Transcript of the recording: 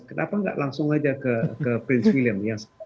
kenapa nggak langsung aja ke prince film